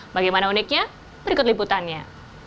bagaimana uniknya berikut liputannya